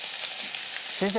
先生